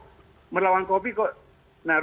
nah rumusnya melawan kopi kan tidak berlaku kan